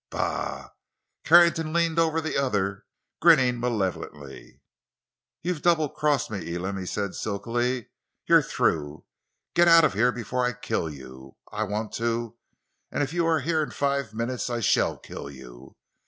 "Bah!" Carrington leaned over the other, grinning malevolently. "You've double crossed me, Elam," he said silkily. "You're through. Get out of here before I kill you! I want to; and if you are here in five minutes, I shall kill you!